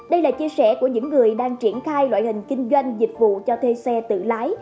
đây là chia sẻ của những người đang triển khai loại hình kinh doanh dịch vụ cho thuê xe tự lái